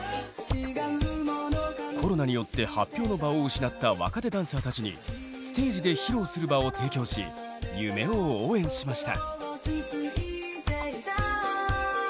コロナによって発表の場を失った若手ダンサーたちにステージで披露する場を提供し夢を応援しました。